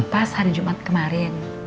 pas hari jumat kemarin